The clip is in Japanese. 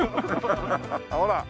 ほら。